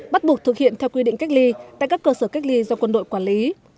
bắt buộc thực hiện theo quy định cách ly tại các cơ sở cách ly do quân đội quản lý